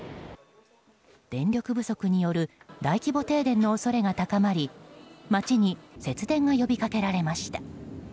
電力不足による大規模停電の恐れが高まり街に節電が呼び掛けられました。